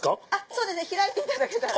そうですね開いていただけたら。